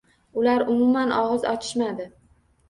Ular umuman og`iz ochishmadi